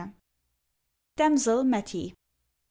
DAMSEL METTIE.